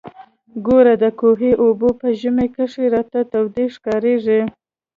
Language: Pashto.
ګوره د کوهي اوبه په ژمي کښې راته تودې ښکارېږي.